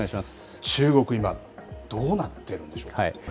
中国、今、どうなってるんでしょうか。